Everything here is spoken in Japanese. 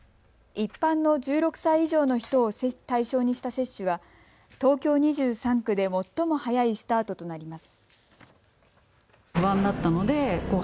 一般の１６歳以上の人を対象にした接種は東京２３区で最も早いスタートとなります。